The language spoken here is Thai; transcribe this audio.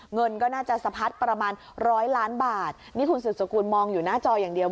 เงินก็น่าจะสะพัดประมาณร้อยล้านบาทนี่คุณสืบสกุลมองอยู่หน้าจออย่างเดียว